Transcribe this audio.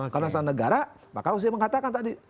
karena selama negara pak kausi mengatakan tadi